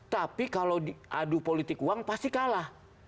tapi kalau diadu politik uang pasti kalah